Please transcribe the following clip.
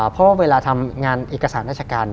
เพราะว่าเวลาทำงานเอกสารราชการ